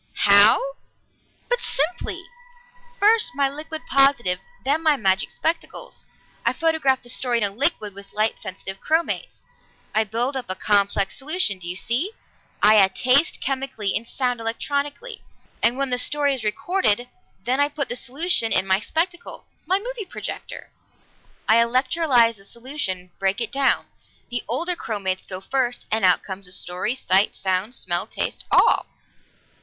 How? But simply! First my liquid positive, then my magic spectacles. I photograph the story in a liquid with light sensitive chromates. I build up a complex solution do you see? I add taste chemically and sound electrically. And when the story is recorded, then I put the solution in my spectacle my movie projector. I electrolyze the solution, break it down; the older chromates go first, and out comes the story, sight, sound, smell, taste all!"